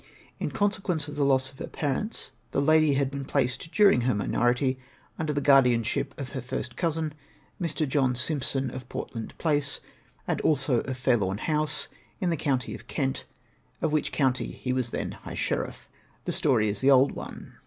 In consequence of the loss of her j^arents, the lady had been placed 270 ROMANTIC CHARACTER OF MY MARRIAGE. during her minority inider the guardianship of her first cousin, Mr. Jolui Simpson of Portland Phice and also of Fairlorn House, in the county of Kent, of which county he was then High Sheriff. The story is the old one.